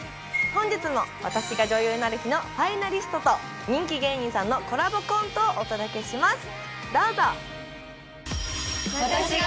本日も「私が女優になる日」のファイナリストと人気芸人さんのコラボコントをお届けします